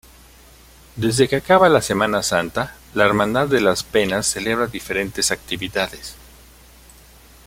Desde que acaba la Semana Santa la Hermandad de las Penas celebra diferentes actividades.